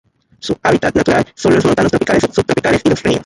Su hábitat natural son los montanos tropicales o subtropicales y los ríos.